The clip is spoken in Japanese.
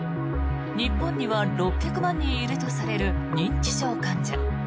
日本には６００万人いるとされる認知症患者。